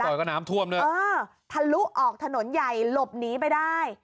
เลาะซอยก็น้ำท่วมเลยอ่ะอือทะลุออกถนนใหญ่หลบหนีไปได้